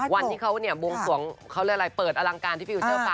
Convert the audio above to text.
วันที่เขาเนี่ยบวงสวงเขาเรียกอะไรเปิดอลังการที่พี่ฟิวเจอร์ฟัง